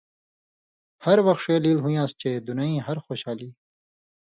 ہر وخ ݜے لِیل ہُویان٘س چےۡ دُنئِیں ہر خوشالی